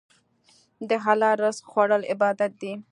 د حلال رزق خوړل عبادت دی.